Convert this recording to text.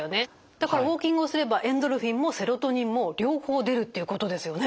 だからウォーキングをすればエンドルフィンもセロトニンも両方出るっていうことですよね。